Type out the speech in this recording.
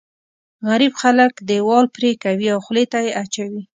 غريب خلک دیوال پرې کوي او خولې ته یې اچوي.